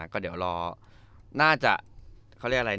ก็เดี๋ยวรอน่าจะเขาเรียกอะไร